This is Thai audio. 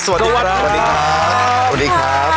สวัสดีครับ